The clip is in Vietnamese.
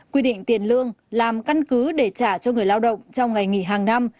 quy định tiền lương làm căn cứ để trả cho người lao động trong ngày nghỉ hàng năm